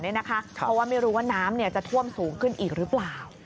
เพราะว่าไม่รู้ว่าน้ำจะท่วมสูงขึ้นอีกหรือเปล่า